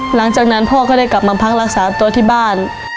หลังจากนั้นพ่อก็ได้กลับมาพักรักษาตัวที่บ้าน